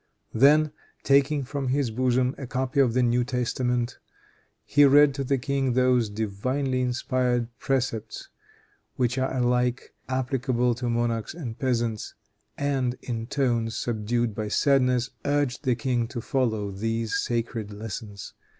Then taking from his bosom a copy of the New Testament, he read to the king those divinely inspired precepts which are alike applicable to monarchs and peasants, and, in tones subdued by sadness, urged the king to follow these sacred lessons.